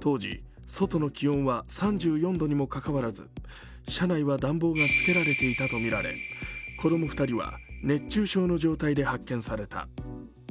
当時、外の気温は３４度にもかかわらず、車内は暖房がつけられていたとみられ、子供２人は熱中症の状態で発見された。